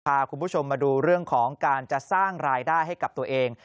พาคุณผู้ชมมาดูเรื่องของการจะสร้างรายได้ให้กับตัวเอง